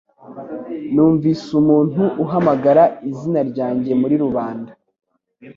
Numvise umuntu uhamagara izina ryanjye muri rubanda